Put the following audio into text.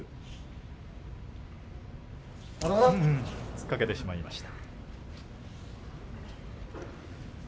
突っかけてしまいました。